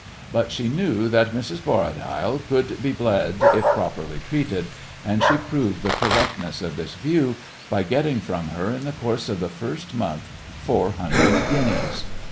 But she knew that Mrs. Borradaile could be bled if properly treated, and she proved the correctness of this view by getting from her in the course of the first month four hundred guineas.